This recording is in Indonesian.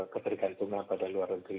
ketergantungan pada luar negeri